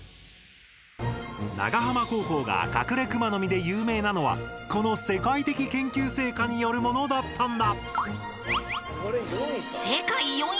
長浜高校がカクレクマノミで有名なのはこの世界的研究成果によるものだったんだ。